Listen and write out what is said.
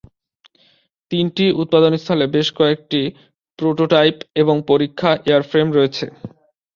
তিনটি উৎপাদনস্থলে বেশ কয়েকটি প্রোটোটাইপ এবং পরীক্ষা এয়ারফ্রেম রয়েছে।